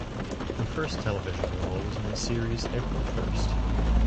Her first television role was in the series "April First".